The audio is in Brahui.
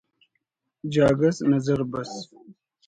جاگہ اس نظر بس